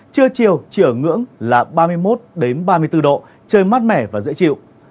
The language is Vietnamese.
trưa chiều chỉ ở ngưỡng là ba mươi một ba mươi bốn độ trời mát mẻ và dễ chịu